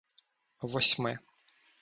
Восьми